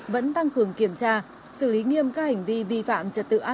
vẫn tăng hưởng kiểm tra xử lý nghiêm các hành vi vi phạm